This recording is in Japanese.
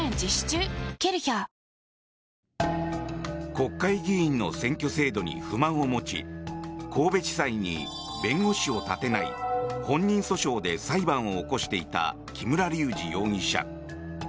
国会議員の選挙制度に不満を持ち神戸地裁に弁護士を立てない本人訴訟で裁判を起こしていた木村隆二容疑者。